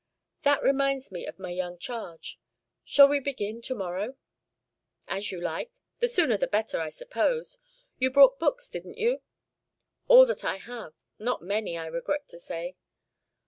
"That reminds me of my young charge. Shall we begin to morrow?" "As you like. The sooner the better, I suppose. You brought books, didn't you?" "All that I have; not many, I regret to say."